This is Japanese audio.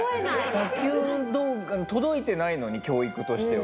野球が届いてないのに教育としては。